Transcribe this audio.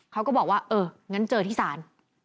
ก็บอกว่าเอออีกงั้นเจอที่ศาล